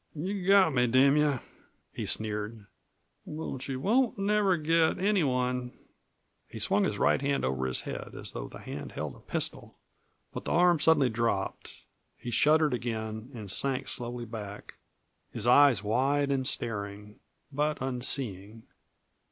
"You've got me, damn you!" he sneered. "But you won't never get anyone " He swung his right hand over his head, as though the hand held a pistol. But the arm suddenly dropped, he shuddered again, and sank slowly back his eyes wide and staring, but unseeing.